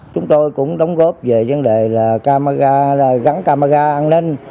chúng tôi cũng đóng góp về vấn đề gắn camera an ninh